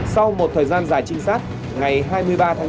sau một thời gian dài trinh sát ngày hai mươi ba tháng bốn